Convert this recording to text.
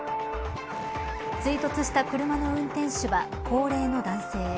追突した車の運転手は高齢の男性。